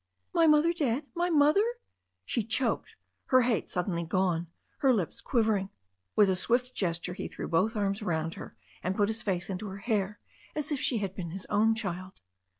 "My mother dead, my mother !" she choked, her hate sud denly gone, her lips quivering. With a swift gesture he threw both arms round her and put his face into her hair as if she had been his own child.